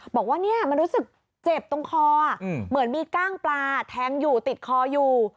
บอกว่าเนี่ยมันรู้สึกเจ็บตรงคอเหมือนมีกล้างปลาแทงอยู่ติดคออยู่